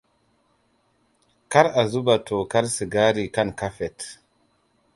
Kar a zuba tokar sigari kan kafet.